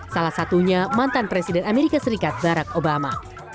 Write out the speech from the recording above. salah satunya mantan presiden amerika serikat barack obama